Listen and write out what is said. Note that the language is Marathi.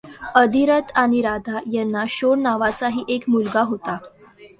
अधिरथ आणि राधा यांना शोण नावाचाही एक मुलगा होता.